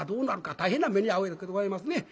大変な目に遭うわけでございますね。